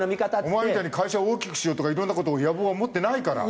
お前みたいに会社を大きくしようとかいろんな事野望は持ってないから。